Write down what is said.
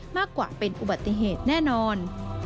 มากกว่าเป็นอุบัติเหตุแน่นอน